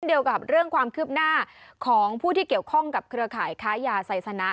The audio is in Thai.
เกี่ยวกับเรื่องความคืบหน้าของผู้ที่เกี่ยวข้องกับเครือข่ายค้ายาไซสนะ